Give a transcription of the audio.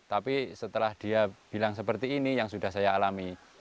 tapi setelah dia bilang seperti ini yang sudah saya alami